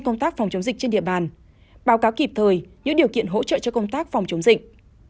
công tác phòng chống dịch trên địa bàn báo cáo kịp thời những điều kiện hỗ trợ cho công tác phòng chống dịch